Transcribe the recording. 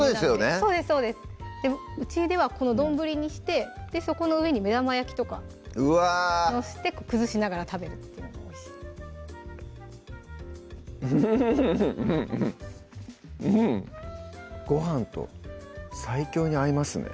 そうですそうですうちではこの丼にしてそこの上に目玉焼きとか載して崩しながら食べるっていうのもおいしいウフフフごはんと最強に合いますね